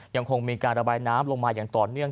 ยังคงมีการระบายน้ำลงมาอย่างต่อเนื่อง